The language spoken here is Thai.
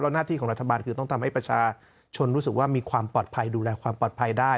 หน้าที่ของรัฐบาลคือต้องทำให้ประชาชนรู้สึกว่ามีความปลอดภัยดูแลความปลอดภัยได้